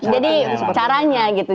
jadi caranya gitu